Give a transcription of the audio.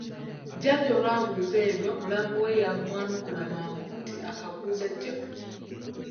Jjajja olwabuuza ebyo mulamu we yamwanukula mangu nti akabuuza ggyako.